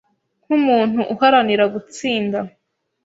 Nkumuntu uharanira gutsinda